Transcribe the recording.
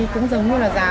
cũng giống như là giá